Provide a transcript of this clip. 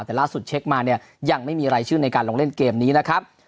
แต่ล่าสุดเช็คมาเนี่ยยังไม่มีรายชื่อในการลงเล่นเกมนี้นะครับ